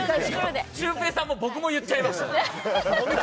シュウペイさんも僕も言っちゃいました。